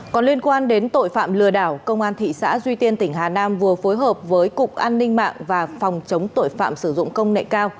còn liên quan đến tội phạm lừa đảo công an thị xã duy tiên tỉnh hà nam vừa phối hợp với cục an ninh mạng và phòng chống tội phạm sử dụng công nghệ cao